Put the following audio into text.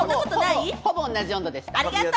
ほぼ同じ温度でした。